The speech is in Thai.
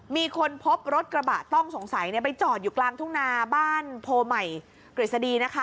มีคนพบรถกระบะต้องสงสัยไปจอดอยู่กลางทุ่งนาบ้านโพใหม่กฤษฎีนะคะ